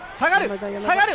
下がる、